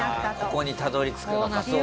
ここにたどり着くのかそうか。